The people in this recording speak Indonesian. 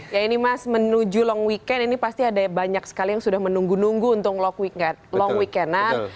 ya ini mas menuju long weekend ini pasti ada banyak sekali yang sudah menunggu nunggu untuk long weekend